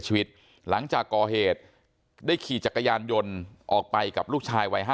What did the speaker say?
ชีวิตหลังจากก่อเหตุได้ขี่จักรยานยนต์ออกไปกับลูกชายวัย๕